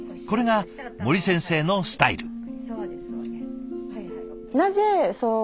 これが森先生のスタイル。